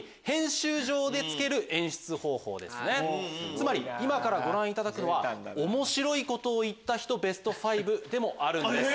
つまり今からご覧いただくのは面白いことを言った人ベスト５でもあるんです。